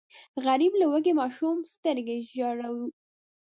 غریب له وږي ماشوم سترګو ژاړي